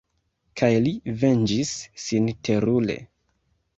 Kaj li venĝis sin terure.